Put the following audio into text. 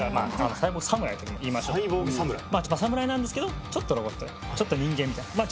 サイボーグ侍とでもいいましょうかまあ侍なんですけどちょっとロボットでちょっと人間みたいなまあ